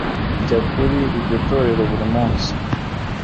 njya kuri iryo torero buri munsi